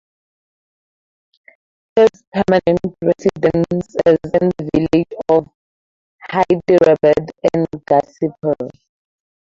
His permanent residence is in the village of Hyderabad in Gazipur.